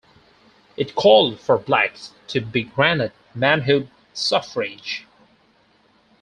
It called for blacks to be granted manhood suffrage.